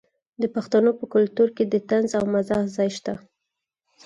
د پښتنو په کلتور کې د طنز او مزاح ځای شته.